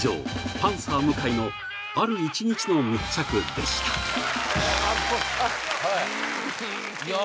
パンサー向井のある一日の密着でした松本さん